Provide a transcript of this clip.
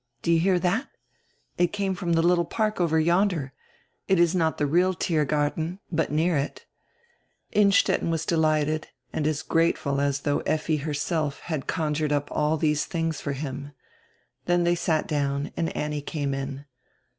Do you hear that? It came from the little park over yonder. It is not the real Tiergarten, hut near it." Innstetten was delighted and as grateful as though Effi herself had conjured up all diese things for him. Then diey sat down and Annie came in.